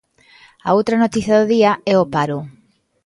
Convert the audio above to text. A outra noticia do día é o paro.